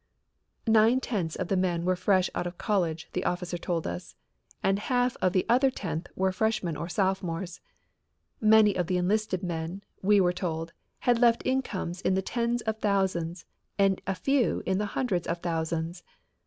Nine tenths of the men were fresh out of college, the officer told us, and half the other tenth were freshmen or sophomores. Many of the enlisted men, we were told, had left incomes in the tens of thousands and a few in the hundreds of thousands.